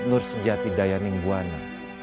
nur sejati daya ningguana